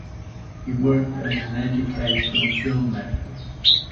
He worked as an educational filmmaker.